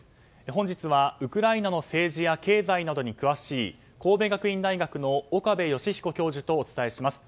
本日はウクライナの政治や経済などに詳しい神戸学院大学の岡部芳彦教授とお伝えします。